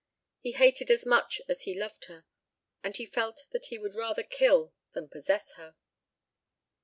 He hated as much as he loved her and he felt that he would rather kill than possess her.